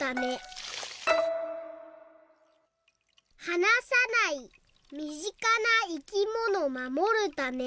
「はなさないみぢかないきものまもるため」。